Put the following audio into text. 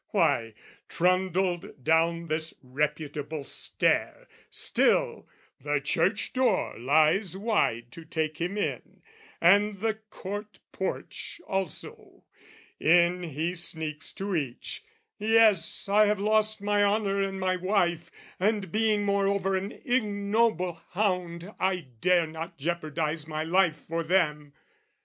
Why, trundled down this reputable stair, Still, the Church door lies wide to take him in, And the Court porch also: in he sneaks to each, "Yes, I have lost my honour and my wife, "And, being moreover an ignoble hound, "I dare not jeopardise my life for them!"